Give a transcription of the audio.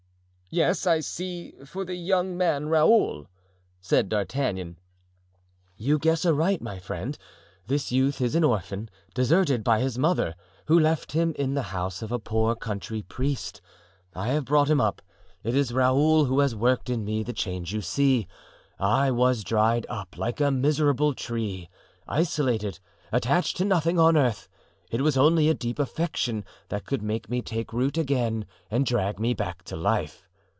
"Yes, I see, for the young man Raoul," said D'Artagnan. "You guess aright, my friend; this youth is an orphan, deserted by his mother, who left him in the house of a poor country priest. I have brought him up. It is Raoul who has worked in me the change you see; I was dried up like a miserable tree, isolated, attached to nothing on earth; it was only a deep affection that could make me take root again and drag me back to life.